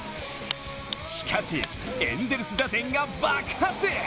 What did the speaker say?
しかしエンゼルス打線が爆発！